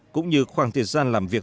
cũng như khoảng thời gian làm việc